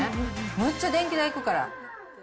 むっちゃ電気代いくから。